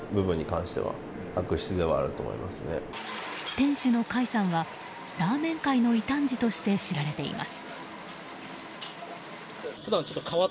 店主の甲斐さんはラーメン界の異端児として知られています。